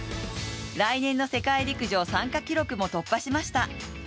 来年の世界陸上参加記録も突破しました。